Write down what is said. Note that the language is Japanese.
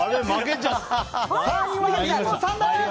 ３位はリンゴさんです。